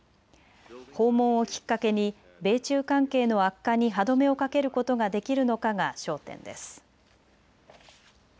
訪問をきっかけに米中関係の悪化に歯止めをかけることができるのかが焦点です。